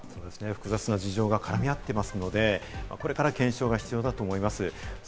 複雑な状況が絡み合っているので、これから検証が大事だと思います。